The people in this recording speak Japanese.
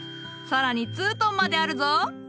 更にツートンまであるぞ。